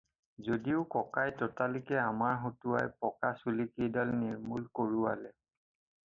যদিও ককাই ততালিকে আমাৰ হতুৱাই পকা চুলিকেইডাল নিৰ্মুল কৰোৱালে